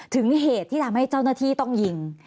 เหตุที่ทำให้เจ้าหน้าที่ต้องยิง